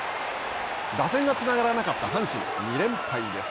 打線がつながらなかった阪神。２連敗です。